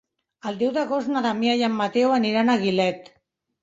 El deu d'agost na Damià i en Mateu aniran a Gilet.